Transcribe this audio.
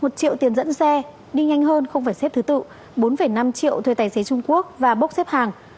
một triệu tiền dẫn xe đi nhanh hơn không phải xếp thứ tự bốn năm triệu thuê tài xế trung quốc và bốc xếp hàng